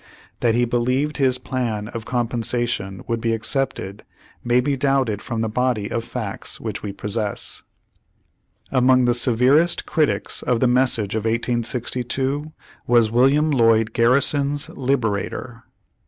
That he believed his plan of com pensation would be accepted may be doubted from the body of facts which we possess. Page One Hundred seven teen Among the severest critics of the message of 1862 was William Lloyd Garrison's Liberator.